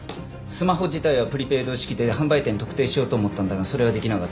スマホ自体はプリペイド式で販売店特定しようと思ったんだがそれはできなかった。